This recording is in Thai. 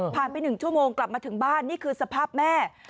ไป๑ชั่วโมงกลับมาถึงบ้านนี่คือสภาพแม่